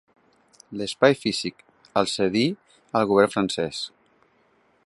L'espai físic el cedí el govern francès.